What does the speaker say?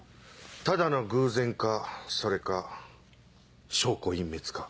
ただの偶然かそれか証拠隠滅か。